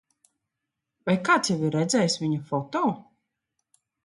Vai kāds jau ir redzējis viņa foto?